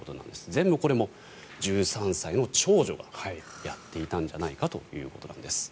全部、これも１３歳の長女がやっていたんじゃないかということです。